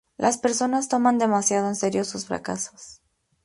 Las personas toman demasiado en serio sus fracasos.